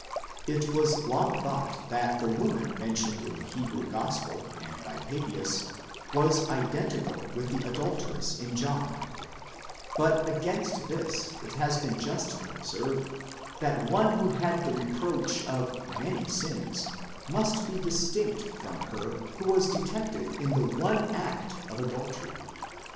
° It was long thought that the woman mentioned in the Hebrew gospel and by Papias was identical with the adulteress in John; but against this it has been justly observed, that one who had the reproach of many sins, must be distinct from her who was detected in the ove act of adultery.?